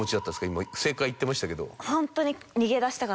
今正解言ってましたけど。